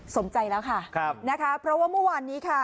สมใจแล้วค่ะครับนะคะเพราะว่าเมื่อวานนี้ค่ะ